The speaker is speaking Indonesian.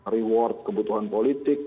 reward kebutuhan politik